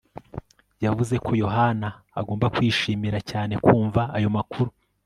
Yavuze ko Yohana agomba kwishimira cyane kumva ayo makuru